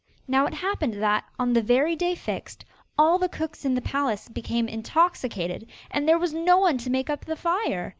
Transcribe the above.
Now it happened that, on the very day fixed, all the cooks in the palace became intoxicated, and there was no one to make up the fire.